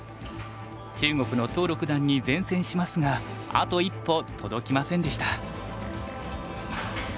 中国の屠六段に善戦しますがあと一歩届きませんでした。